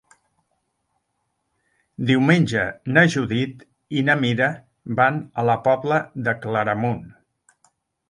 Diumenge na Judit i na Mira van a la Pobla de Claramunt.